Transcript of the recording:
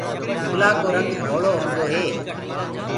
بُگلآ ڪو رنگ ڌوݪو هوندو هي۔